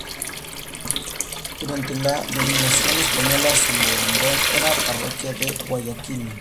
Durante la dominación española Samborondón era parroquia de Guayaquil.